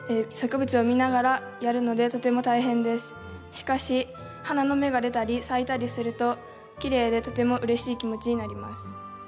しかし花の芽が出たり咲いたりするときれいでとてもうれしい気持ちになります。